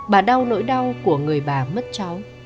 bà đau nỗi đau của người bà mất cháu